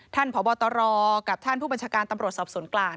พบตรกับท่านผู้บัญชาการตำรวจสอบสวนกลาง